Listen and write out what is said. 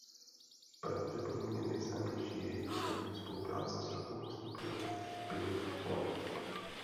Pravděpodobně nejznámější je jeho spolupráce s rockovou skupinou Pink Floyd.